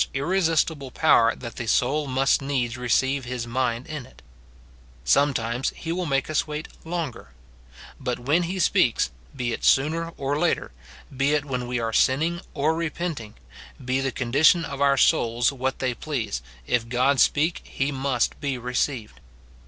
289 irresistible power that the soul must needs receive his mind in it ; sometimes he will make us wait longer : but when he speaks, be it sooner or later, be it when we are sinning or repenting, be the condition of our souls what they please, if God speak, he must be re ceived.